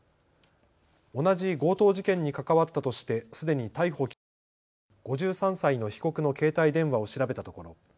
同じ強盗事件に関わったとしてすでに逮捕・起訴されている５３歳の被告の携帯電話を調べたところ